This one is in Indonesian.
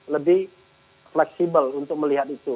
lebih fleksibel untuk melihat itu